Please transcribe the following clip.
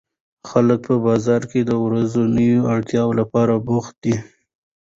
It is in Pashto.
خلک په بازار کې د ورځنیو اړتیاوو لپاره بوخت دي